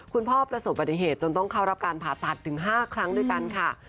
ประสบปฏิเหตุจนต้องเข้ารับการผ่าตัดถึง๕ครั้งด้วยกันค่ะ